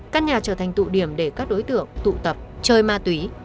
căn nhà trở thành tụ điểm để các đối tượng tụ tập chơi ma túy